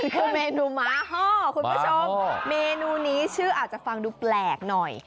คือเมนูม้าห้อคุณผู้ชมเมนูนี้ชื่ออาจจะฟังดูแปลกหน่อย